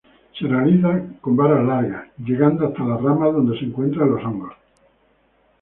Se realiza con varas largas llegando hasta las ramas donde se encuentran los hongos.